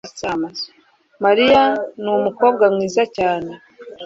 Mariya numukobwa mwiza cyane